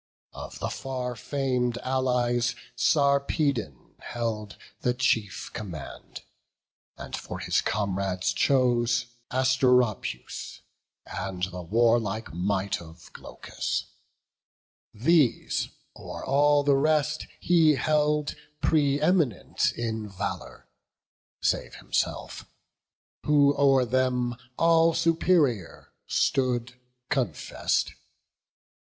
Of the far fam'd Allies, Sarpedon held The chief command; and for his comrades chose Asteropaeus, and the warlike might Of Glaucus; these o'er all the rest he held Pre eminent in valour, save himself, Who o'er them all superior stood confess'd.